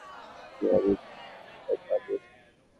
যে, আমি ভয়ে পালিয়েছি।